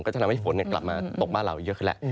จะทำให้ฝนกลับมาตกบ้านเราเยอะขึ้นแล้ว